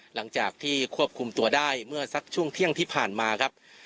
หลังจากที่ควบคุมตัวได้เมื่อสักช่วงเที่ยงที่ผ่านมาครับ